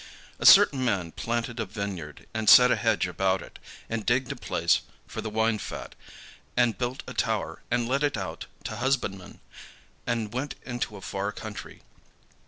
"A certain man planted a vineyard, and set an hedge about it, and digged a place for the winefat, and built a tower, and let it out to husbandmen, and went into a far country.